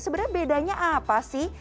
sebenarnya bedanya apa sih